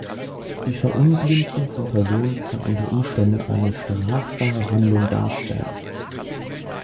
Die Verunglimpfung von Personen kann unter Umständen eine strafbare Handlung darstellen.